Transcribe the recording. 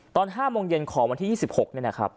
ตอน๕โมงเย็นของวันที่๒๖เนี่ยนะครับ